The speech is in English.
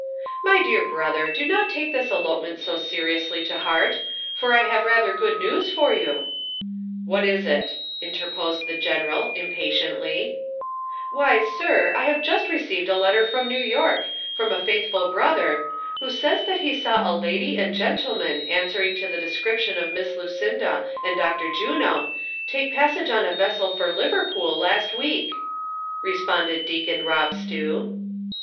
" My dear brother, do not take this elopement so seriously to heart, for I have rather good news for you "—" What is it V " interposed the general, impatiently. THE COXSPIRATOES AND LOVERS. 67 " Why, sir, I have just received a letter from Xew York, from a faithful brother, who says that he saw a lady and gentleman answering to the description of Miss Lucinda and Dr. Juno, take passage on a vessel for Liverpool last week," responded Deacon Rob Stew.